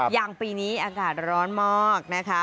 อย่างปีนี้อากาศร้อนมากนะคะ